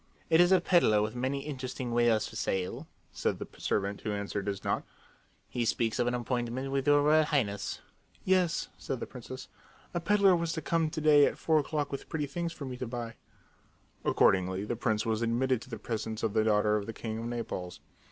"It is a peddler with many interesting wares for sale," said the servant who answered his knock. "He speaks of an appointment with your Royal Highness." "Yes," said the princess. "A peddler was to come to day at four o'clock with pretty things for me to buy." Accordingly, the prince was admitted to the presence of the daughter of the king of Naples.